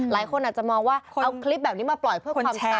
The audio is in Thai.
หลายคนอาจจะมองว่าเอาคลิปแบบนี้มาปล่อยเพื่อความฝัน